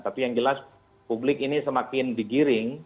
tapi yang jelas publik ini semakin digiring